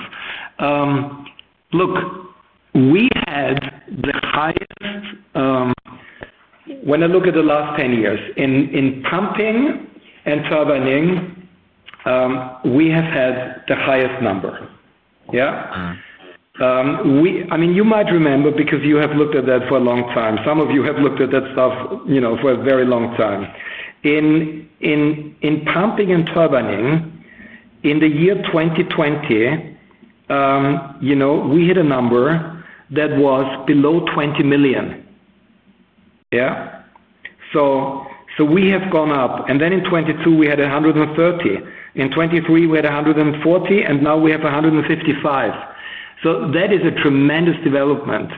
Speaker 2: Look, we had the highest. When I look at the last 10 years, in pumping and turbining, we have had the highest number. Yeah? I mean, you might remember because you have looked at that for a long time. Some of you have looked at that stuff for a very long time. In pumping and turbining, in the year 2020, we hit a number that was below 20 million. Yeah? We have gone up. In 2022, we had 130 million. In 2023, we had 140 million, and now we have 155 million. That is a tremendous development.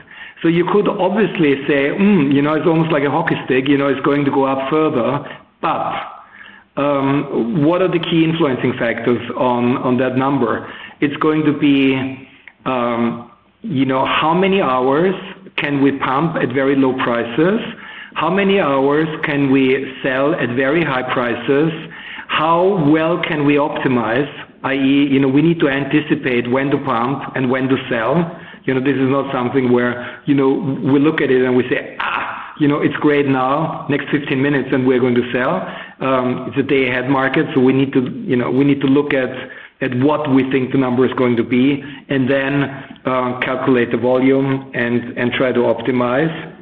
Speaker 2: You could obviously say it is almost like a hockey stick. It is going to go up further. What are the key influencing factors on that number? It is going to be how many hours we can pump at very low prices, how many hours we can sell at very high prices, how well we can optimize, i.e., we need to anticipate when to pump and when to sell. This is not something where we look at it and we say, it is great now. Next 15 minutes, and we're going to sell. It's a day-ahead market, so we need to look at what we think the number is going to be and then calculate the volume and try to optimize.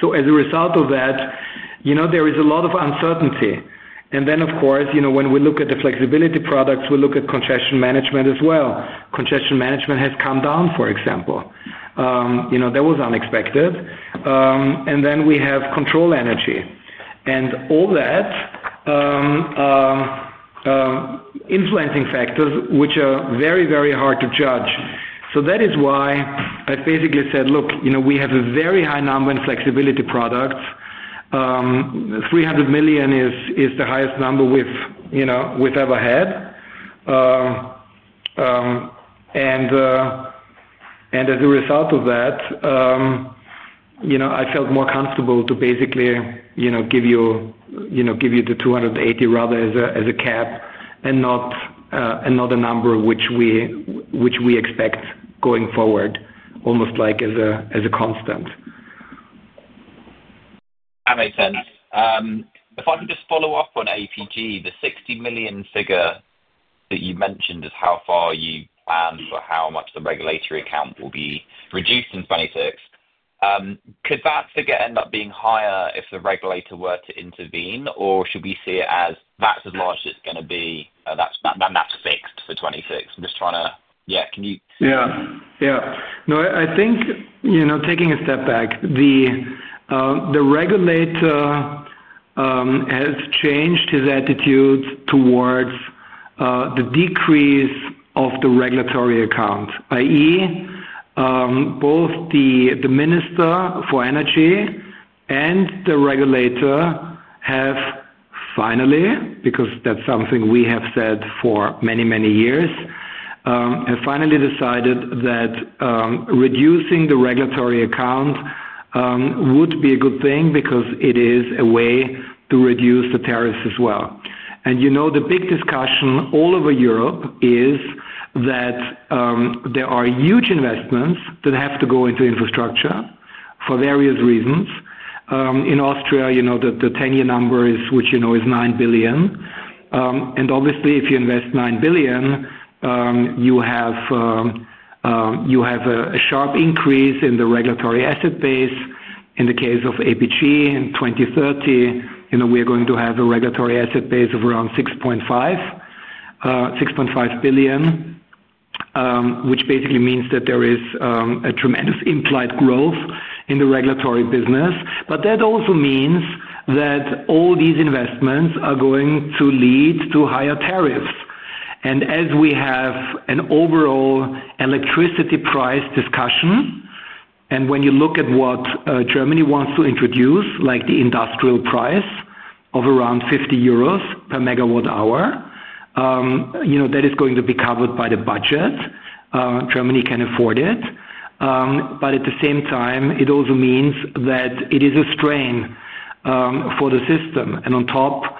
Speaker 2: As a result of that, there is a lot of uncertainty. Of course, when we look at the flexibility products, we look at congestion management as well. Congestion management has come down, for example. That was unexpected. Then we have control energy, and all that— influencing factors which are very, very hard to judge. That is why I've basically said, "Look, we have a very high number in flexibility products. 300 million is the highest number we've ever had." As a result of that, I felt more comfortable to basically give you the 280 million rather as a cap and not a number which we. Expect going forward, almost like as a constant.
Speaker 7: That makes sense. If I could just follow up on APG, the 60 million figure that you mentioned is how far you plan for how much the regulatory account will be reduced in 2026. Could that figure end up being higher if the regulator were to intervene, or should we see it as that's as large as it's going to be, and that's fixed for 2026? I'm just trying to yeah. Can you?
Speaker 2: Yeah. Yeah. No, I think. Taking a step back. The regulator has changed his attitude towards the decrease of the regulatory account, i.e. both the Minister for Energy and the regulator have finally, because that's something we have said for many, many years, finally decided that reducing the regulatory account would be a good thing because it is a way to reduce the tariffs as well. The big discussion all over Europe is that there are huge investments that have to go into infrastructure for various reasons. In Austria, the 10-year number is what you know is 9 billion. Obviously, if you invest 9 billion, you have a sharp increase in the regulatory asset base. In the case of Austrian Power Grid in 2030, we are going to have a regulatory asset base of around 6.5 billion, which basically means that there is a tremendous implied growth in the regulatory business. That also means that all these investments are going to lead to higher tariffs. As we have an overall electricity price discussion, when you look at what Germany wants to introduce, like the industrial price of around 50 euros per MWh that is going to be covered by the budget. Germany can afford it. At the same time, it also means that it is a strain for the system. On top,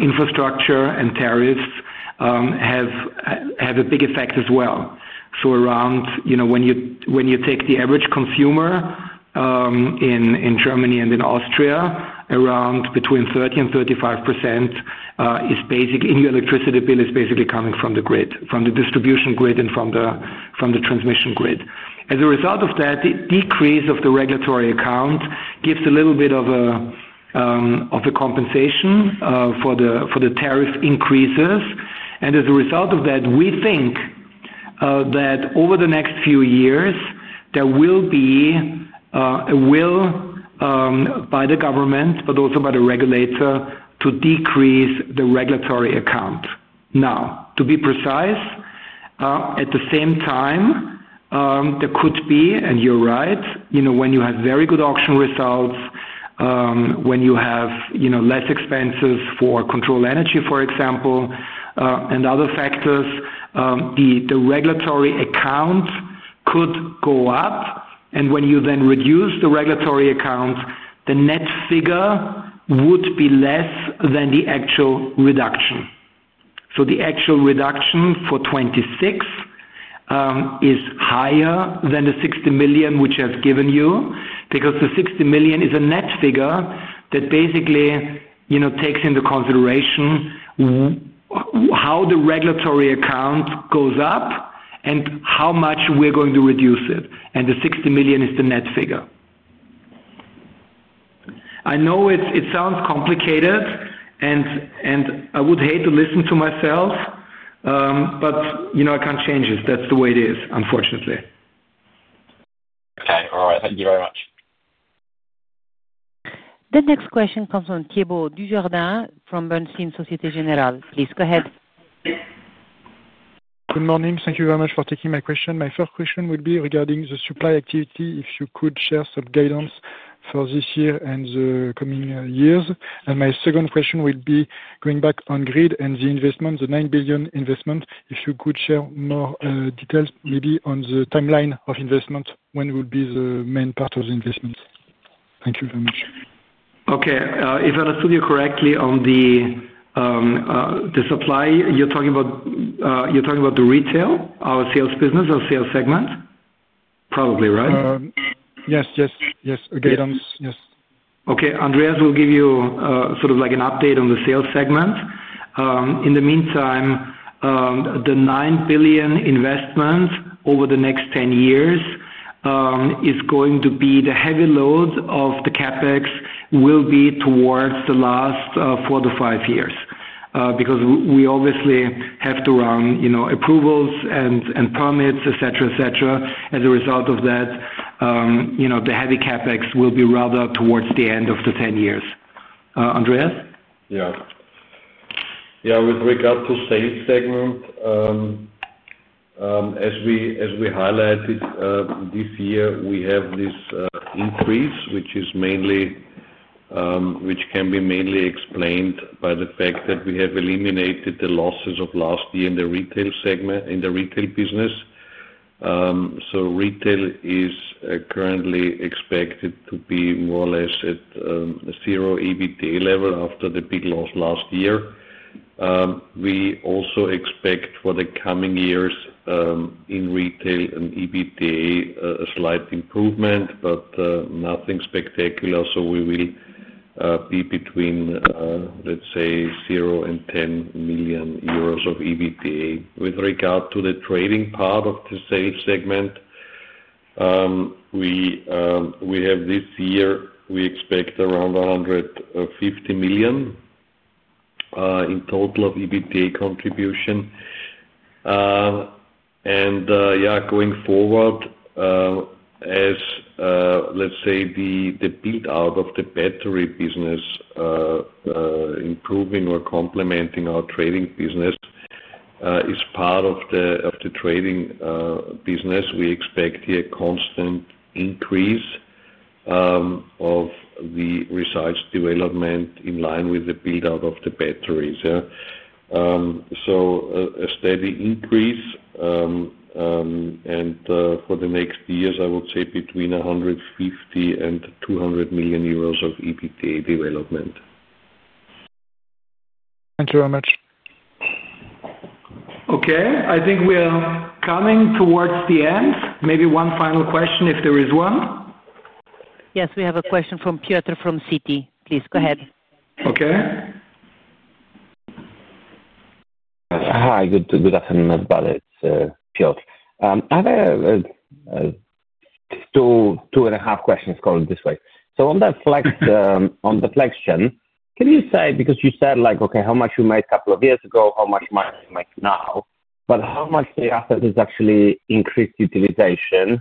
Speaker 2: infrastructure and tariffs have a big effect as well. When you take the average consumer in Germany and in Austria, around 30%-35% in your electricity bill is basically coming from the grid, from the distribution grid and from the transmission grid. As a result of that, the decrease of the regulatory account gives a little bit of a compensation for the tariff increases. As a result of that, we think that over the next few years, there will be a will by the government, but also by the regulator, to decrease the regulatory account. To be precise, at the same time, there could be, and you're right, when you have very good auction results. When you have less expenses for control energy, for example, and other factors, the regulatory account could go up. When you then reduce the regulatory account, the net figure would be less than the actual reduction. The actual reduction for 2026 is higher than the 60 million which I've given you because the 60 million is a net figure that basically takes into consideration how the regulatory account goes up and how much we're going to reduce it. The 60 million is the net figure. I know it sounds complicated, and I would hate to listen to myself. I can't change it. That's the way it is, unfortunately.
Speaker 7: Okay. All right. Thank you very much.
Speaker 1: The next question comes from Thibault Dujardin from Bernstein Société Générale. Please go ahead. Good morning. Thank you very much for taking my question.
Speaker 8: My first question would be regarding the supply activity, if you could share some guidance for this year and the coming years. My second question would be going back on grid and the investment, the 9 billion investment, if you could share more details maybe on the timeline of investment, when will be the main part of the investment. Thank you very much.
Speaker 2: Okay. If I understood you correctly on the supply, you're talking about the retail or sales business or sales segment? Probably, right?
Speaker 8: Yes. Yes. Yes. Guidance.
Speaker 2: Yes. Okay. Andreas will give you sort of an update on the sales segment. In the meantime, the 9 billion investment over the next 10 years is going to be, the heavy load of the CapEx will be towards the last four to five years because we obviously have to run approvals and permits, etc., etc. As a result of that, the heavy CapEx will be rather towards the end of the 10 years. Andreas?
Speaker 3: Yeah. Yeah. With regard to sales segment, as we highlighted this year, we have this increase which can be mainly explained by the fact that we have eliminated the losses of last year in the retail business. Retail is currently expected to be more or less at 0 EBITDA level after the big loss last year. We also expect for the coming years in retail and EBITDA a slight improvement, but nothing spectacular. We will be between, let's say, 0-10 million euros of EBITDA. With regard to the trading part of the sales segment, this year we expect around 150 million in total of EBITDA contribution. Going forward, as, let's say, the build-out of the battery business, improving or complementing our trading business. Is part of the trading business, we expect a constant increase of the results development in line with the build-out of the batteries. A steady increase. For the next years, I would say between 150 million and 200 million euros of EBITDA development.
Speaker 8: Thank you very much.
Speaker 3: Okay. I think we are coming towards the end. Maybe one final question if there is one.
Speaker 1: Yes. We have a question from Piotr from Citi. Please go ahead.
Speaker 3: Okay.
Speaker 9: Hi. Good afternoon. It's Piotr. I have two and a half questions going this way. On the flex channel, can you say, because you said, "Okay, how much you made a couple of years ago, how much you might make now," but how much the asset has actually increased utilization,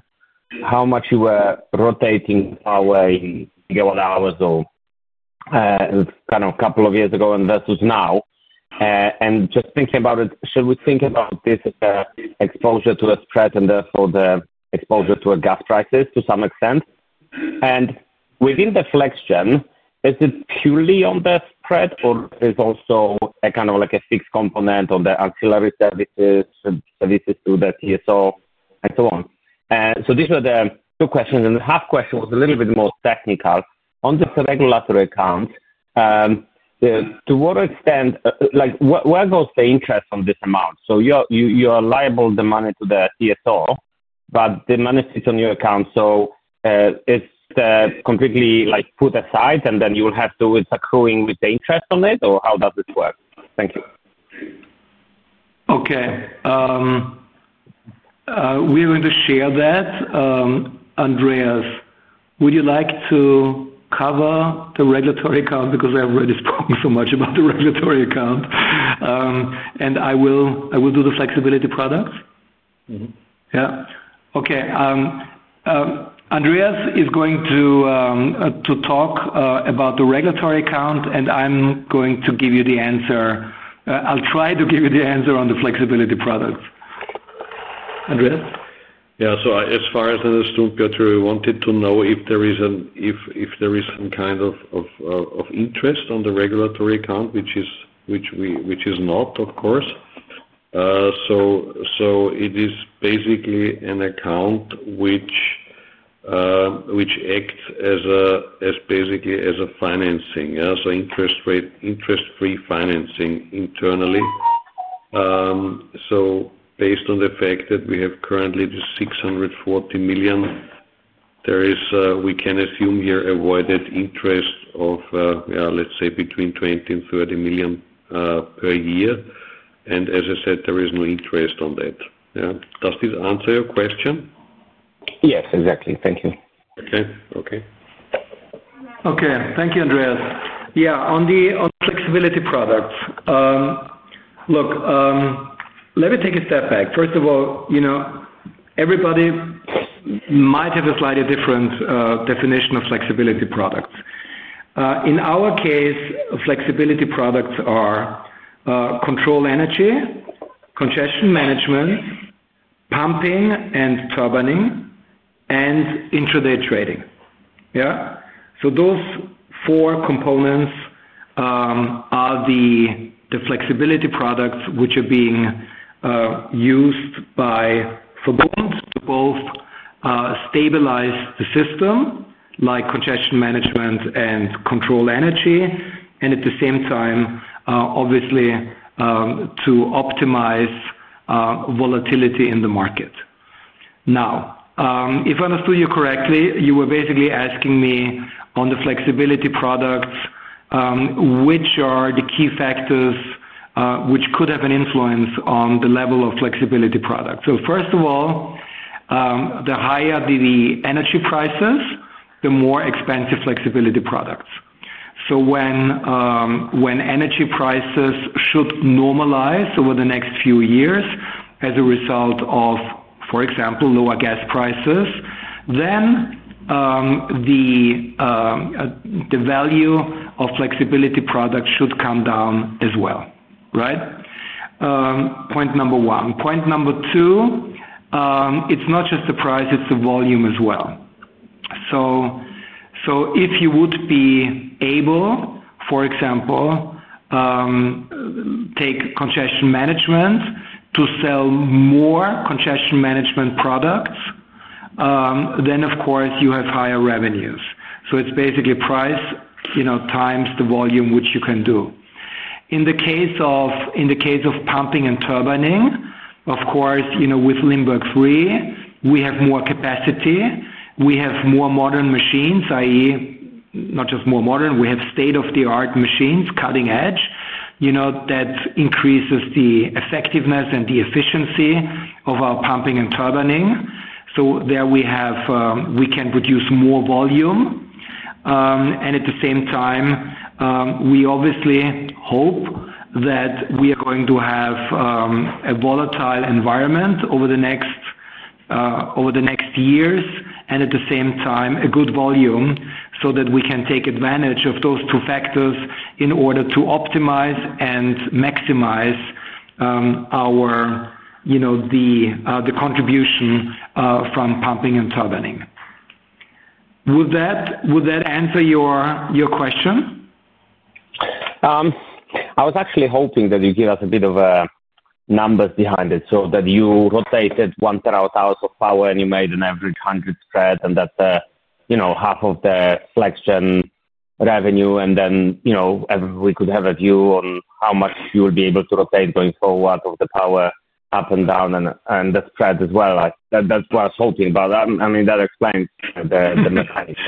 Speaker 9: how much you were rotating power in gigawatt hours or kind of a couple of years ago versus now? Just thinking about it, should we think about this as an exposure to a spread and therefore the exposure to a gas price to some extent? Within the flex channel, is it purely on the spread, or is there also kind of a fixed component on the auxiliary services, services to the TSO, and so on? These were the two questions. The half question was a little bit more technical. On the regulatory account, to what extent, where goes the interest on this amount? You are liable the money to the TSO, but the money sits on your account. It is completely put aside, and then you will have to do it accruing with the interest on it, or how does it work? Thank you.
Speaker 2: Okay. We are going to share that. Andreas, would you like to. Cover the regulatory account because I have already spoken so much about the regulatory account? I will do the flexibility products? Yeah? Okay. Andreas is going to talk about the regulatory account, and I am going to give you the answer. I will try to give you the answer on the flexibility products. Andreas?
Speaker 3: Yeah. As far as I understood, Piotr wanted to know if there is some kind of interest on the regulatory account, which is not, of course. It is basically an account which acts basically as a financing, so interest-free financing internally. Based on the fact that we have currently this 640 million, we can assume here avoided interest of, let's say, between 20 million and 30 million per year. As I said, there is no interest on that. Does this answer your question?
Speaker 9: Yes. Exactly. Thank you.
Speaker 3: Okay. Okay. Okay.
Speaker 2: Thank you, Andreas. Yeah. On the flexibility products. Look. Let me take a step back. First of all. Everybody might have a slightly different definition of flexibility products. In our case, flexibility products are control energy, congestion management, pumping, and turbining, and intraday trading. Yeah? So those four components are the flexibility products which are being used by VERBUND to stabilize the system, like congestion management and control energy, and at the same time, obviously, to optimize volatility in the market. Now, if I understood you correctly, you were basically asking me on the flexibility products, which are the key factors which could have an influence on the level of flexibility products. So first of all, the higher the energy prices, the more expensive flexibility products. So when energy prices should normalize over the next few years as a result of, for example, lower gas prices, then the. Value of flexibility products should come down as well. Right? Point number one. Point number two. It's not just the price; it's the volume as well. If you would be able, for example, to take congestion management to sell more congestion management products, then, of course, you have higher revenues. It's basically price times the volume which you can do. In the case of pumping and turbining, of course, with Limberg 3, we have more capacity. We have more modern machines, i.e., not just more modern; we have state-of-the-art machines, cutting-edge, that increases the effectiveness and the efficiency of our pumping and turbining. There we can produce more volume. At the same time, we obviously hope that we are going to have a volatile environment over the next. Years, and at the same time, a good volume so that we can take advantage of those two factors in order to optimize and maximize the contribution from pumping and turbining. Would that answer your question?
Speaker 9: I was actually hoping that you give us a bit of numbers behind it so that you rotated one terawatt hour of power and you made an average 100 spread and that's half of the flex channel revenue. Then we could have a view on how much you will be able to rotate going forward of the power up and down and the spread as well. That's what I was hoping. I mean, that explains the mechanics.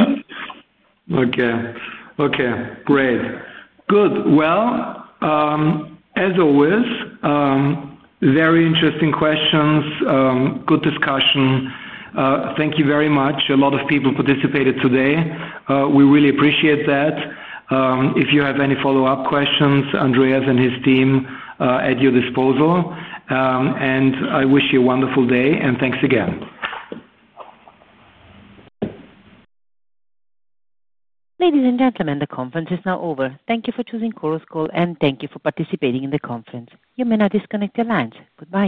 Speaker 2: Okay. Great. Good. As always. Very interesting questions, good discussion. Thank you very much. A lot of people participated today. We really appreciate that. If you have any follow-up questions, Andreas and his team at your disposal. I wish you a wonderful day. Thanks again.
Speaker 1: Ladies and gentlemen, the conference is now over. Thank you for choosing Chorus Call, and thank you for participating in the conference. You may now disconnect your lines. Goodbye.